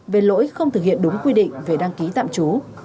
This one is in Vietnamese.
về lỗi không thực hiện đúng quy định về đăng ký tạm trú